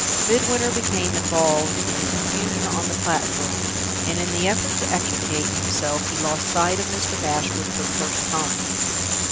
Midwinter became involved in the confusion on the platform, and in the effort to extricate himself he lost sight of Mr. Bashwood for the first time.